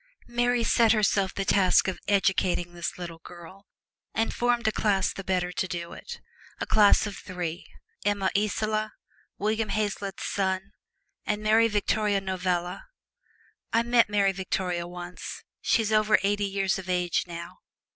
Mary set herself the task of educating this little girl, and formed a class the better to do it a class of three: Emma Isola, William Hazlitt's son and Mary Victoria Novello. I met Mary Victoria once; she's over eighty years of age now.